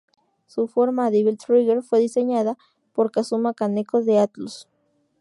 Su forma "Devil Trigger" fue diseñada por Kazuma Kaneko de Atlus.